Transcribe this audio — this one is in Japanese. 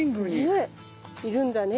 ねいるんだね。